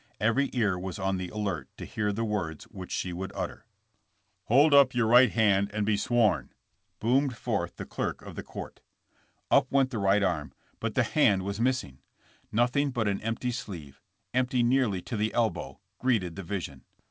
Every ear was on the alert to hear the words which she would utter. Hold up your right hand and be sworn," boomed forth the clerk of the court. Up went the right arm, but the hand was miss THB TRIAI. FOR TRAIN ROBBERY. 179 ing! Nothing but an empty sleeve— empty nearly to the elbow — greeted the vision.